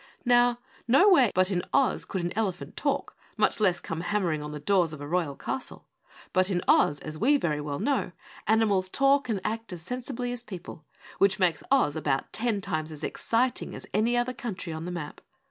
Now nowhere but in Oz could an elephant talk, much less come hammering on the doors of a royal castle, but in Oz, as we very well know, animals talk and act as sensibly as people, which makes Oz about ten times as exciting as any other country on the map.